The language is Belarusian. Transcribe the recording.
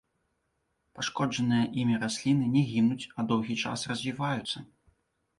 Пашкоджаныя імі расліны не гінуць, а доўгі час развіваюцца.